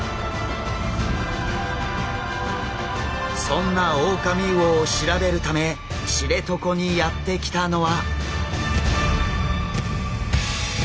そんなオオカミウオを調べるため知床にやって来たのは。